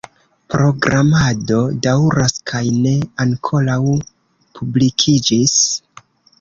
Programado daŭras kaj ne ankoraŭ publikiĝis.